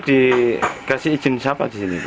dikasih izin siapa disini